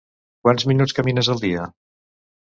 Quants minuts camines al dia?